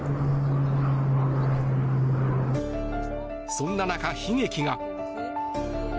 そんな中、悲劇が。